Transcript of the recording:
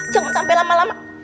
jangan sampai lama lama